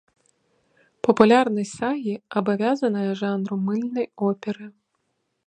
Папулярнасць сагі абавязаная жанру мыльнай оперы.